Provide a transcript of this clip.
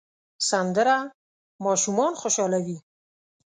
سندره ماشومان خوشحالوي